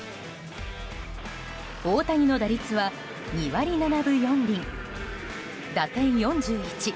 大谷の打率は２割７分４厘打点４１。